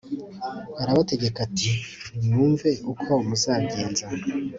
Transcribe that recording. arabategeka ati nimwumve uko muzabigenza